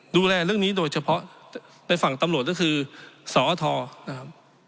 ดูแลเรื่องนี้โดยเฉพาะในฝั่งตำรวจก็คือสอทนะครับ